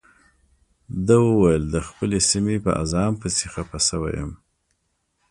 ده وویل د خپلې سیمې په اذان پسې خپه شوی یم.